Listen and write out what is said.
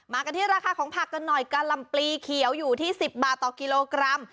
กันที่ราคาของผักกันหน่อยกะลำปลีเขียวอยู่ที่๑๐บาทต่อกิโลกรัม